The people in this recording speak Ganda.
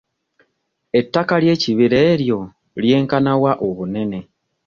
Ettaka ly'ekibira eryo lyenkana wa obunene?